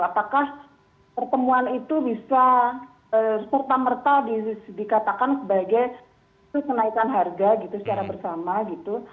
apakah pertemuan itu bisa serta merta dikatakan sebagai kenaikan harga gitu secara bersama gitu